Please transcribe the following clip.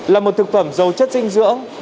là một thực phẩm dầu chất dinh dưỡng